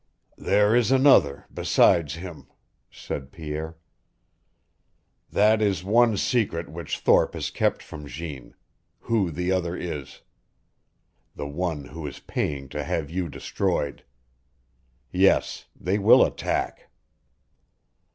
"There is another, besides him," said Pierre. "That is one secret which Thorpe has kept from Jeanne who the other is the one who is paying to have you destroyed. Yes they will attack."